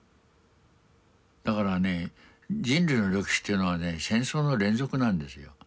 だからね人類の歴史というのはね戦争の連続なんですよ。